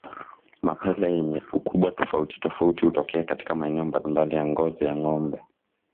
Mapele yenye ukubwa tofauti tofauti hutokea katika maeneo mbalimbali ya ngozi ya ngombe